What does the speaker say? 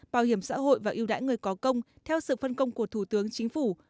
bảo hiểm xã hội và yêu đãi người có công theo sự phân công của thủ tướng chính phủ